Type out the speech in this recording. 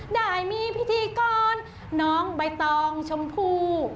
ได้มีพิธีกรน้องใบตองชมพู